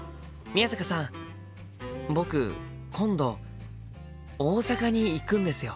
僕今度大阪に行くんですよ。